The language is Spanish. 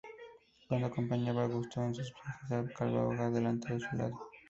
Cuando acompañaba a Augusto en sus viajes, cabalgaba delante o a su lado.